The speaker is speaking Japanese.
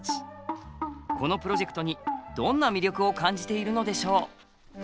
このプロジェクトにどんな魅力を感じているのでしょう。